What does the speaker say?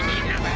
itu nyari hebat